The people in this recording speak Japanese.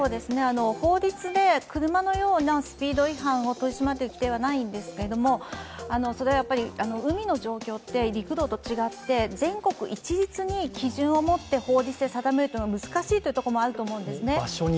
法律で車のようなスピード違反を取り締まる規定はないんですが海の状況って陸路と違って全国一律に基準を持って法律を定めるというのは難しいと思うんですね。